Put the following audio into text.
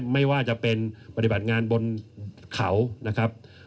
ไม่ว่าจะเป็นปฏิบัติงานบนเขานะครับ